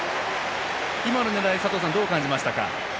今の狙い、佐藤さんはどう感じましたか？